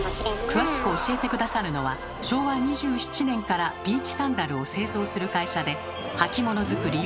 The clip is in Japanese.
詳しく教えて下さるのは昭和２７年からビーチサンダルを製造する会社で履物作り